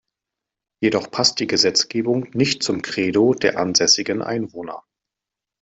Jedoch passt die Gesetzgebung nicht zum Credo der ansässigen Einwohner.